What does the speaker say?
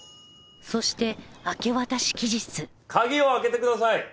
そして明け渡し期日鍵を開けてください！